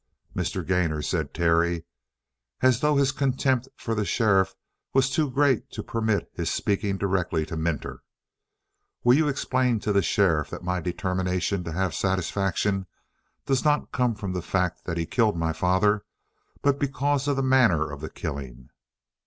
"Mr. Gainor," said Terry, as though his contempt for the sheriff was too great to permit his speaking directly to Minter, "will you explain to the sheriff that my determination to have satisfaction does not come from the fact that he killed my father, but because of the manner of the killing?